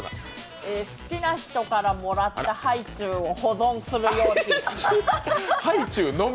好きな人からもらったハイチュウを保存する容器、ハイチュウのみ。